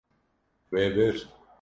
We bir.